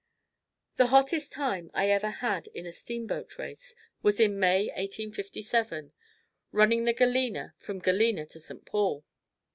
The hottest time I ever had in a steamboat race was in May, 1857, running the Galena from Galena to St. Paul.